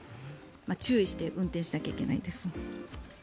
注意して運転しなきゃいけないです。